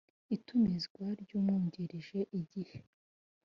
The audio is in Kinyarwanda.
itumizwa n umwungirije Igihe